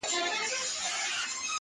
ګلستانونه مې په لار کښې غوړېدل وختونه